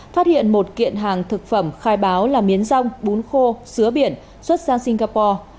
phát hiện một kiện hàng thực phẩm khai báo là miến rong bún khô biển xuất sang singapore